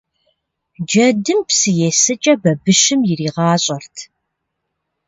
Джэдым псы есыкӀэ бабыщым иригъащӀэрт.